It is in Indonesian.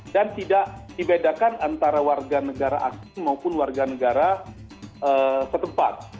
dan tidak dibedakan antara warga negara asing maupun warga negara setempat